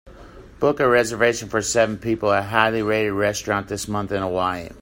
Book a reservation for seven people at a highly rated restaurant this month in Hawaii